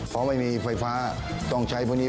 เพราะไม่มีไฟฟ้าต้องใช้พวกนี้